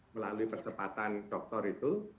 melalui pertempatan doktor itu